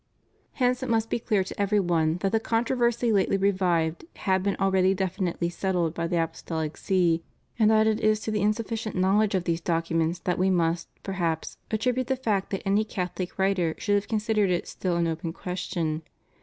Hence it must be clear to every one that the contro versy lately revived had been already definitely settled by the Apostohc See, and that it is to the insufficient knowl edge of these documents that we must, perhaps, at tribute the fact that any CathoUc writer should have considered it still an open question.